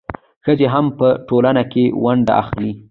ښځې هم په ټولنه کې ونډه اخلي.